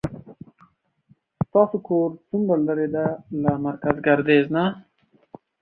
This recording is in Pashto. ستاسو کور څومره لری ده له مرکز ګردیز نه